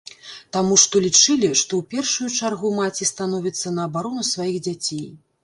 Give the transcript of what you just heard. Таму што лічылі, што ў першую чаргу маці становіцца на абарону сваіх дзяцей.